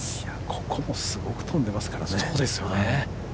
ここもすごく飛んでますからね。